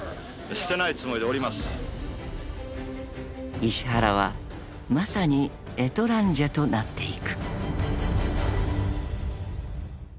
［石原はまさにエトランジェとなっていく］